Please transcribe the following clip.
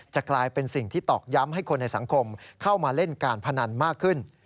กลายเป็นสิ่งที่ตอกย้ำให้คนในสังคมเข้ามาเล่นการพนันมากขึ้น